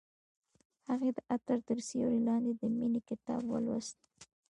هغې د عطر تر سیوري لاندې د مینې کتاب ولوست.